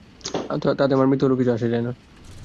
তাতে আমার মৃত্যু হলেও কিছু যায় আসে না।